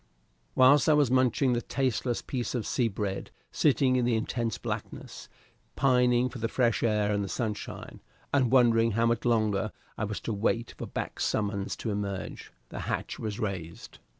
Whilst I was munching the tasteless piece of sea bread, sitting in the intense blackness, pining for the fresh air and the sunshine, and wondering how much longer I was to wait for Back's summons to emerge, the hatch was raised.